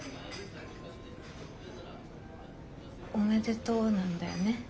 「おめでとう」なんだよね？